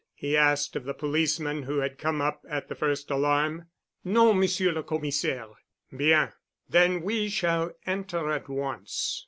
he asked of the policeman who had come up at the first alarm. "No, Monsieur le Commissaire." "Bien. Then we shall enter at once."